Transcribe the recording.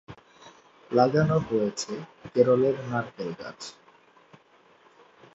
লাগানো হয়ে ছে কেরলের নারকেল গাছ।